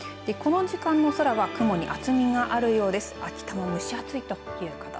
この時間の空は厚みがあるということです。